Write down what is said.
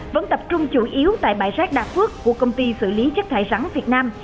vẫn tập trung chủ yếu tại bãi rác đạp phước của công ty xử lý chất thải rắn việt nam